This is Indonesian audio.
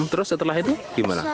terus setelah itu gimana